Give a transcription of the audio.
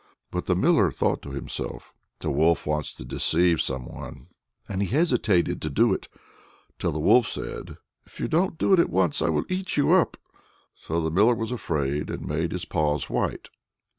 But the miller thought to himself, "The wolf wants to deceive some one," and he hesitated to do it; till the wolf said, "If you don't do it at once, I will eat you up." So the miller was afraid and made his paws white.